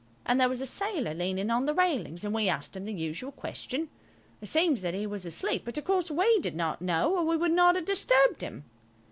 And there was a sailor leaning on the railings, and we asked him the usual question. It seems that he was asleep, but of course we did not know, or we would not have disturbed him.